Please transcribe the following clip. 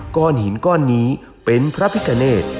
ก้อนหินก้อนนี้เป็นพระพิกาเนต